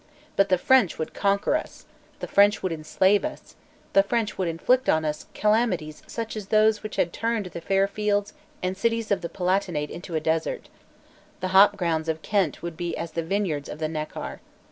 But the French would conquer us; the French would enslave us; the French would inflict on us calamities such as those which had turned the fair fields and cities of the Palatinate into a desert. The hopgrounds of Kent would be as the vineyards of the Neckar.